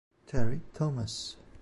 Terry Thomas